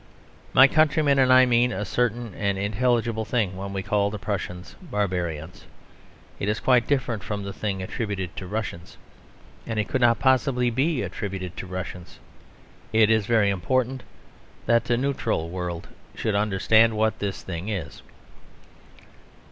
My countrymen and I mean a certain and intelligible thing when we call the Prussians barbarians. It is quite different from the thing attributed to Russians; and it could not possibly be attributed to Russians. It is very important that the neutral world should understand what this thing is.